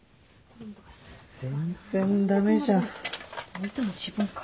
置いたの自分か。